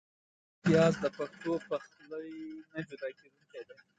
پیاز د پښتو پخلي نه جدا کېدونکی دی